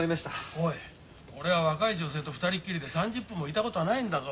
おい俺は若い女性と２人きりで３０分もいたことはないんだぞ。